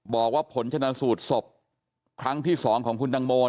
บอกว่าผลชนะสูตรศพครั้งที่๒ของคุณตังโม